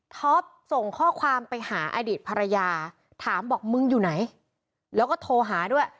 ส่งข้อความไปหาอดีตภรรยาถามบอกมึงอยู่ไหนแล้วก็โทรหาด้วย